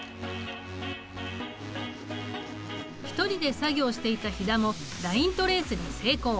一人で作業していた肥田もライントレースに成功。